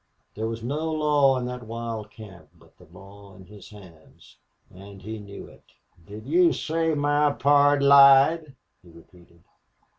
There was no law in that wild camp but the law in his hands. And he knew it. "Did you say my pard lied?" he repeated.